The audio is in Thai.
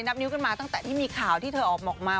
นับนิ้วกันมาตั้งแต่ที่มีข่าวที่เธอออกมา